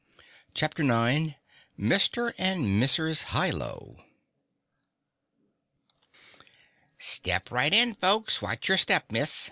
CHAPTER 9 Mr. and Mrs. Hi Lo "Step right in, folks! Watch your step, Miss.